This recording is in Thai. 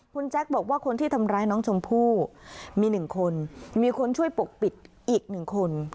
คุณแจ๊คบอกว่าคนที่ทำร้ายน้องชมพู่มี๑คนมีคนช่วยปกปิดอีก๑คน